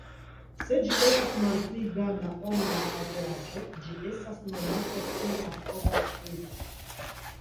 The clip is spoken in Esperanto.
Se ĝi estas malpli granda ol la averaĝo ĝi estas nomata kiel malforta primo.